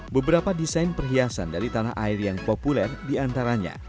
beberapa desain perhiasan dari tanah air yang populer diantaranya